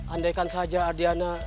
andaikan saja ardiana